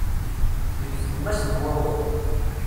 Deg tlemmast n wawal.